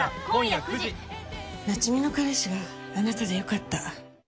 夏海の彼氏があなたで良かった。